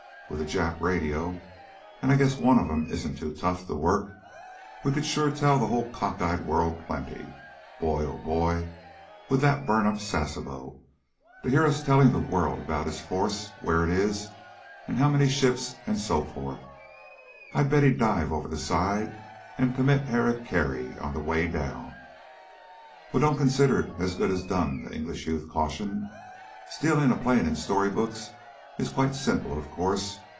With a Jap radio and I guess one of them isn't too tough to work we could sure tell the whole cockeyed world plenty. Boy, oh boy! Would that burn up Sasebo, to hear us telling the world about his force, where it is, and how many ships, and so forth. I bet he'd dive over the side, and commit hara kiri on the way down!" "Well, don't consider it as good as done," the English youth cautioned. "Stealing a plane in story books is quite simple, of course.